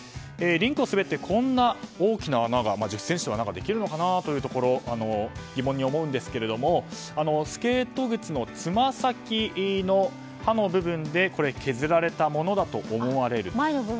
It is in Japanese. リンクを滑って、こんな大きな１０ｃｍの穴ができるのかなというところ疑問に思うんですけどもスケート靴のつま先の刃の部分で削られたものだと思われると。